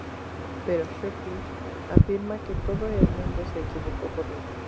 Pero Sophie afirma que todo el mundo se equivocó con ella.